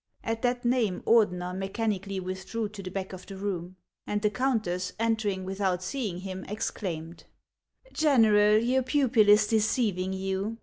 At that name, Ordener mechanically withdrew to the back of the room ; and the countess, entering without see ing him, exclaimed, —" General, your pupil is deceiving you.